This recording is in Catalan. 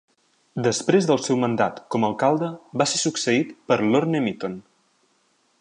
Després del seu mandat com alcalde, va ser succeït per Lorne Mitton.